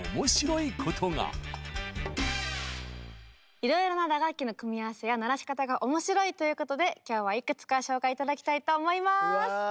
いろいろな打楽器の組み合わせや鳴らし方が面白いということで今日はいくつか紹介頂きたいと思います！